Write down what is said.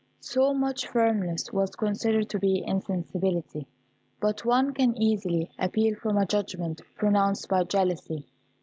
So much firmness was considered to be insensibility. But one can easily appeal from a judgment pronounced by jealousy.